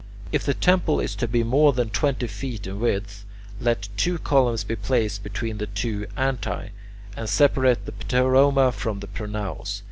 If the temple is to be more than twenty feet in width, let two columns be placed between the two antae, to separate the pteroma from the pronaos.